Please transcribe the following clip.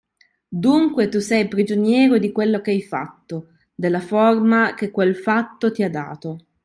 Dunque tu sei prigioniero di quello che hai fatto, della forma che quel fatto ti ha dato.